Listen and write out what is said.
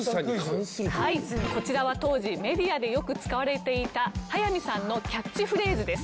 こちらは当時メディアでよく使われていた早見さんのキャッチフレーズです。